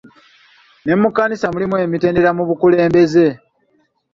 Ne mu kkanisa mulimu emitendera mu bukulembeze.